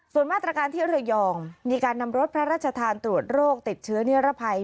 ส่วนมาตรการที่ระยองมีการนำรถพระราชทานตรวจโรคติดเชื้อนิรภัย